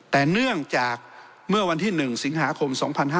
แต่เนื่องจากเมื่อวันที่๑สิงหาคม๒๕๕๙